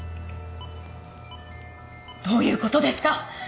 どういう事ですか？